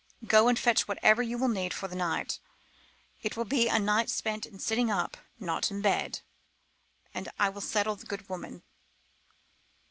Go and fetch whatever you will need for the night; it will be a night spent in sitting up, not in bed; and I will settle with the good woman."